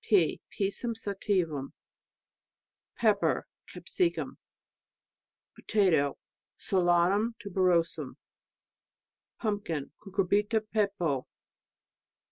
Pea Pisum sativum. Pepper Capsicum. Potatoe .... Solanum tuberosum. Pumpkin .... Cucurbita pepo.